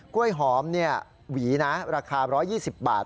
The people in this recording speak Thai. ้วยหอมหวีนะราคา๑๒๐บาท